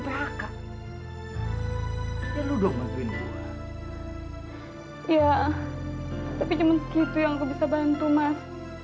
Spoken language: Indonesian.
perak ya lu dong ya tapi cuma segitu yang aku bisa bantu mas